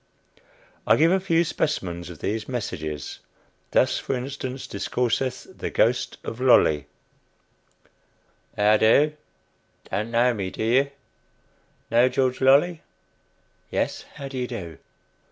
I give a few specimens of these "messages." Thus, for instance, discourseth the Ghost of Lolley: "How do? Don't know me, do you? Know George Lolley? [Yes. How do you do?